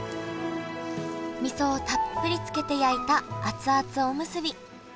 みそをたっぷりつけて焼いた熱々おむすび。